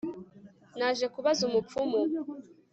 naje kubaza umupfumu